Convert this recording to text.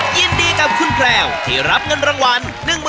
ยินดีกับคุณแพลวที่รับเงินรางวัล